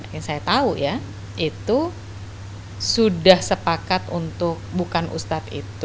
yang saya tahu ya itu sudah sepakat untuk bukan ustadz itu